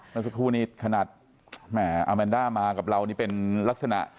เมื่อสักครู่นี้ขนาดแหมอาแมนด้ามากับเรานี่เป็นลักษณะ